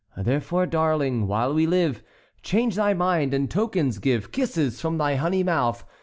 "Therefore, darling, while we live, Change thy mind and tokens give— Kisses from thy honey mouth!